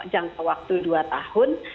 jangka waktu dua tahun